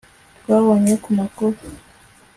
Twabonye ku makuru